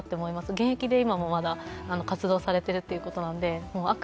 現役で今もまだ活動されているということなんで飽く